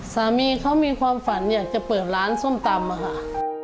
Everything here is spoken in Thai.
สามีเขามีความฝันอยากจะเปิดร้านส้มตำค่ะ